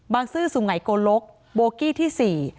บางซื่อสูงไหนโกลกโบกี้ที่๔